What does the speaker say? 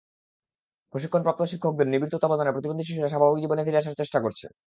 প্রশিক্ষণপ্রাপ্ত শিক্ষকদের নিবিড় তত্ত্বাবধানে প্রতিবন্ধী শিশুরা স্বাভাবিক জীবনে ফিরে আসার চেষ্টা করছে।